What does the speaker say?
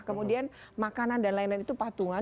kemudian makanan dan lain lain itu patungan